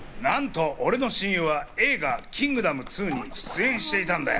なんと俺の親友は映画『キングダム２』に出演していたんだよ！